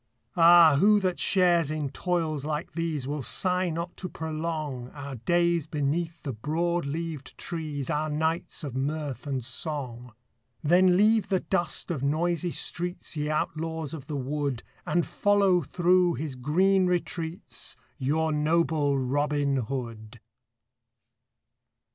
Ah, who that shares in toils like these Will sigh not to prolong Our days beneath the broad leaved trees, Our nights of mirth and song? Then leave the dust of noisy streets, Ye outlaws of the wood, And follow through his green retreats Your noble Robin Hood.